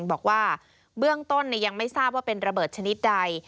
บอกว่าเบื้องต้นยังไม่ทราบว่าเป็นระเบิดชนิดใด